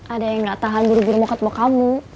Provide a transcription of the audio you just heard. ada yang gak tahan buru buru mokad mok kamu